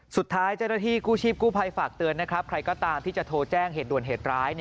สุดท้ายเจ้าหน้าที่กู้ชีพกู้ภัยฝากเตือนนะครับใครก็ตามที่จะโทรแจ้งเหตุด่วนเหตุร้าย